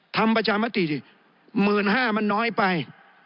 ทำประชามติสิหมื่นห้ามันน้อยไป